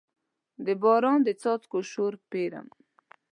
د باران د څاڅکو شور پیرم